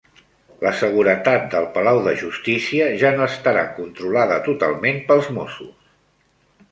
La seguretat del Palau de Justícia ja no estarà controlada totalment pels Mossos